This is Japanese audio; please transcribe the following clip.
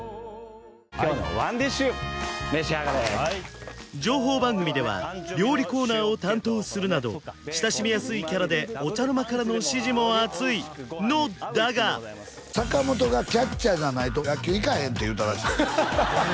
今日のワンディッシュ召し上がれ情報番組では料理コーナーを担当するなど親しみやすいキャラでお茶の間からの支持も厚いのだが坂本がキャッチャーじゃないと野球行かへんって言うたらしいよ